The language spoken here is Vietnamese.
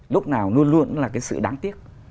lúc nào luôn luôn là cái sự đáng tiếc